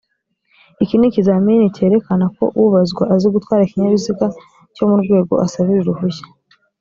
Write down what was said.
iki ni ikizamini cyerekana ko ubazwa azi gutwara ikinyabiziga cyo mu rwego asabira uruhushya